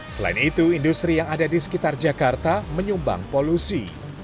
selain itu industri yang ada di sekitar jakarta menyumbang polusi